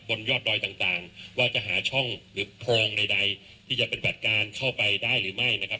บนยอดดอยต่างว่าจะหาช่องหรือโพรงใดที่จะปฏิบัติการเข้าไปได้หรือไม่นะครับ